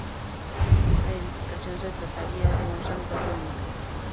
La edificación se trataría de un santuario inca.